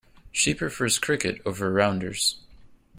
She prefers cricket over rounders.